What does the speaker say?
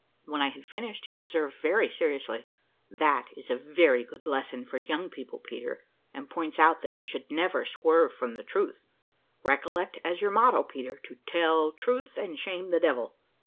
When I had finished, he observed very seriously, "That is a very good lesson for young people, Peter, and points out that you never should swerve from the truth. Recollect, as your motto, Peter, to `tell truth and shame the devil.'"